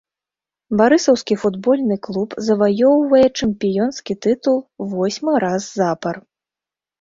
Барысаўскі футбольны клуб заваёўвае чэмпіёнскі тытул восьмы раз запар.